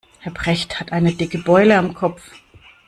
Herr Brecht hat eine dicke Beule am Kopf.